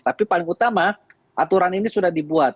tapi paling utama aturan ini sudah dibuat